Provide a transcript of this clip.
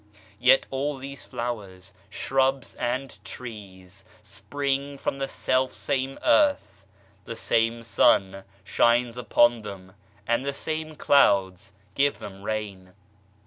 Yet all these flowers, shrubs and trees spring from the self same earth, the same sun shines upon them and the same clouds give them rain.